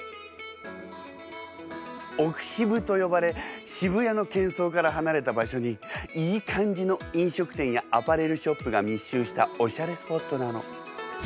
「奥渋」と呼ばれ渋谷のけん騒から離れた場所にいい感じの飲食店やアパレルショップが密集したおしゃれスポットなの。